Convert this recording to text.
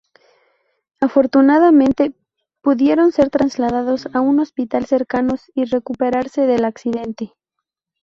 Afortunadamente, pudieron ser trasladados a un hospital cercanos y recuperarse del accidente.